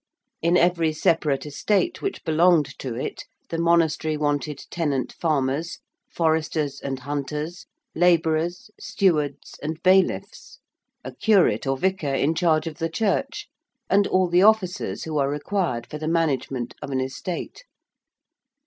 In every separate estate which belonged to it, the monastery wanted tenant farmers, foresters and hunters, labourers, stewards and bailiffs, a curate or vicar in charge of the church and all the officers who are required for the management of an estate.